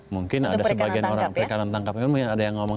mungkin ada sebagian orang mungkin ada yang ngomong